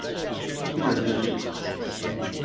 更難整理